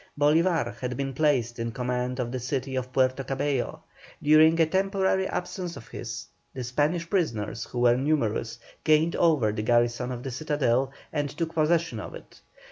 Bolívar had been placed in command of the city of Puerto Cabello. During a temporary absence of his, the Spanish prisoners, who were numerous, gained over the garrison of the citadel, and took possession of it.